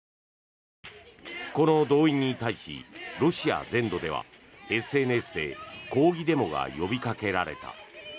この動員に対し、ロシア全土ではＳＮＳで抗議デモが呼びかけられた。